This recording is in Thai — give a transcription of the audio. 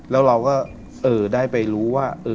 แล้วเราก็ได้ไปรู้ว่า